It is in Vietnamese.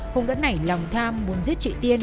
hùng đã nảy lòng tham muốn giết chị tiên